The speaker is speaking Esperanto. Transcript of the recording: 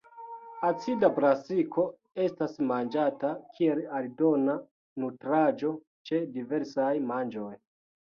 Acida brasiko estas manĝata kiel aldona nutraĵo ĉe diversaj manĝoj.